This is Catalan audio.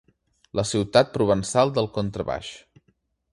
La ciutat provençal del contrabaix.